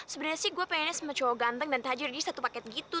sebenarnya sih gue pengennya cuma cowok ganteng dan tajir jadi satu paket gitu